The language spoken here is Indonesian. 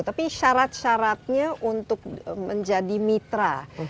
tapi syarat syaratnya untuk menjadi mitra